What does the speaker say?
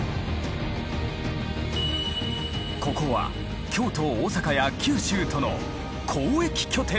ここは京都大阪や九州との交易拠点だった。